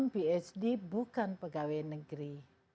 phd bukan pegawai negeri